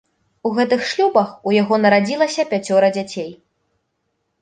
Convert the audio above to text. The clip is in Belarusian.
У гэтых шлюбах у яго нарадзілася пяцёра дзяцей.